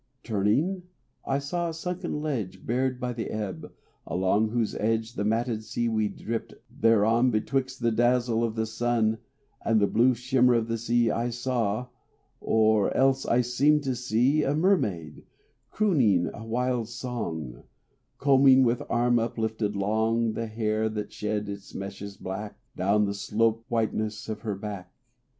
Turning I saw a sunken ledge Bared by the ebb, along whose edge The matted sea weed dripped: thereon, Betwixt the dazzle of the sun And the blue shimmer of the sea, I saw or else I seemed to see A mermaid, crooning a wild song, Combing with arm uplifted long The hair that shed its meshes black Down the slope whiteness of her back.